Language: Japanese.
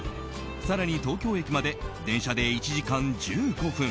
更に、東京駅まで電車で１時間１５分。